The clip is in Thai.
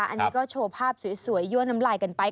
อันนี้ก็โชว์ภาพสวยยั่วน้ำลายกันไป